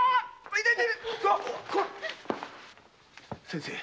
先生。